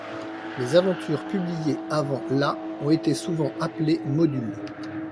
Les aventures publiées avant la ont souvent été appelées modules.